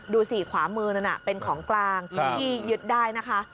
ดูสิขวามือนั้นเป็นของกลางที่ยึดได้นะคะ